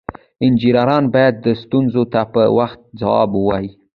انجینران باید ستونزو ته په وخت ځواب ووایي.